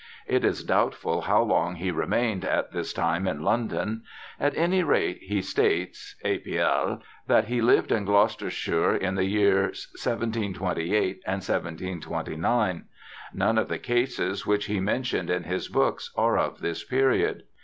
It is doubtful how long he remained at this time in London ; at any rate he states {A. P. L.) that he lived in Gloucestershire in the years 1728 and 1729. None of the cases which he men tions in his books are of this period.